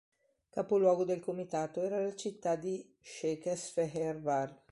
Capoluogo del comitato era la città di Székesfehérvár.